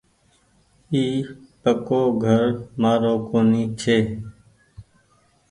اي پڪو گهر مآرو ڪونيٚ ڇي ۔